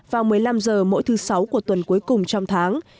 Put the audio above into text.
vào một mươi năm h mỗi thứ sáu của tuần cuối cùng trong tháng